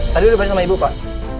tadi udah ditanya sama ibu pak